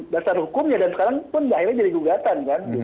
dasar hukumnya dan sekarang pun akhirnya jadi gugatan kan